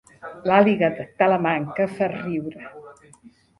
L'àliga de Talamanca fa riure